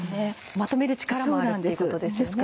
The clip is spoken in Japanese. まとめる力もあるっていうことですね。